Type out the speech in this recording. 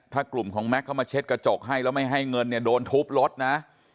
ถ้ากลุ่มของแก๊กเข้ามาเช็ดกระจกให้แล้วไม่ให้เงินเนี่ยโดนทุบรถนะ